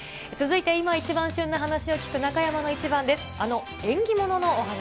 続いて、今一番旬な話を聞く中山のイチバンです。